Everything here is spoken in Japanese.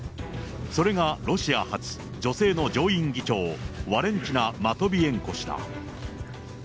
それがロシア初、女性の上院議長、ワレンチナ・マトビエンコ氏だ。